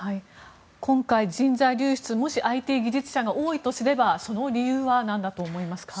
今回、人材流出もしＩＴ技術者が多いとすればその理由は何だと思いますか？